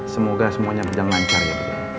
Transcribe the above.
semoga semuanya berjalan lancar ya